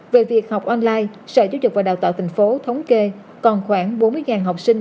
về việc học online sở giáo dục và đào tạo tp thống kê còn khoảng bốn mươi học sinh